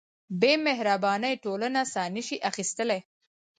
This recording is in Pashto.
بېمهربانۍ ټولنه ساه نهشي اخیستلی.